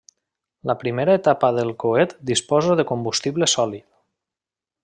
La primera etapa del coet disposa de combustible sòlid.